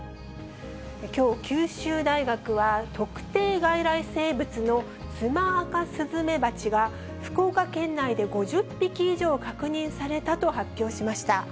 きょう九州大学は、特定外来生物のツマアカスズメバチが、福岡県内で５０匹以上確認されたと発表しました。